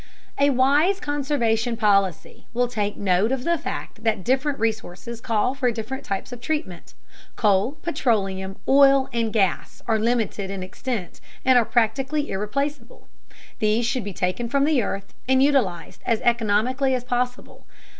A wise conservation policy will take note of the fact that different resources call for different types of treatment. Coal, petroleum, oil, and gas are limited in extent and are practically irreplaceable. These should be taken from the earth and utilized as economically as possible.